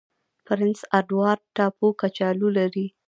پرنس اډوارډ ټاپو کچالو لري.